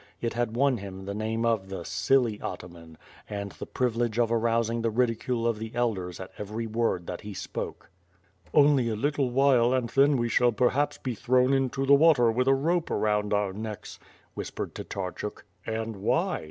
It had won him the name of the "silly Ataman," and the privilege of arousing the ridicule of the elders at every word that he spoke. "Only a little while and then we shall perhaps be thrown into the water with a rope around our necks," whispered Tatarchuk. "And why?"